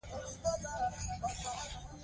مالي نوښتونه باید تشویق شي.